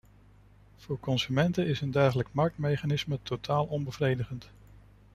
Voor consumenten is een dergelijk marktmechanisme totaal onbevredigend.